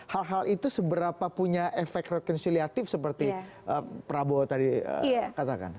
hal hal itu seberapa punya efek rekonsiliatif seperti prabowo tadi katakan